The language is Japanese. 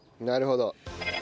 なるほど。